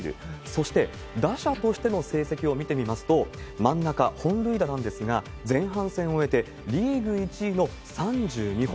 そして、打者としての成績を見てみますと、真ん中、本塁打なんですが、前半戦を終えてリーグ１位の３２本。